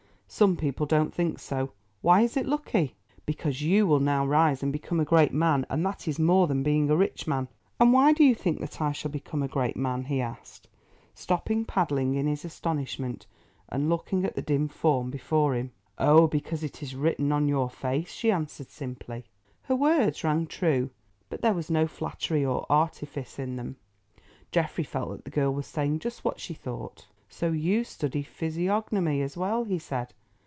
Some people don't think so. Why is it lucky?" "Because you will now rise and become a great man, and that is more than being a rich man." "And why do you think that I shall become a great man?" he asked, stopping paddling in his astonishment and looking at the dim form before him. "Oh! because it is written on your face," she answered simply. Her words rang true; there was no flattery or artifice in them. Geoffrey felt that the girl was saying just what she thought. "So you study physiognomy as well," he said.